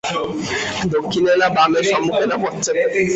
দক্ষিণে না বামে, সম্মুখে না পশ্চাতে?